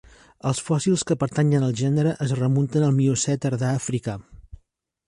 Els fòssils que pertanyen al gènere es remunten al Miocè tardà africà.